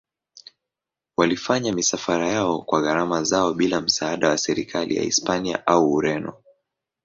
Walifanya misafara yao kwa gharama zao bila msaada wa serikali ya Hispania au Ureno.